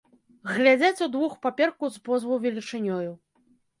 Глядзяць удвух паперку з позву велічынёю.